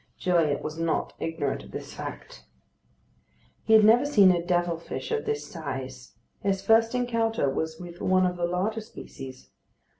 Gilliatt was not ignorant of this fact. He had never seen a devil fish of this size. His first encounter was with one of the larger species.